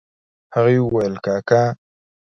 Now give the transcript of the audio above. هغې وويل کاکا.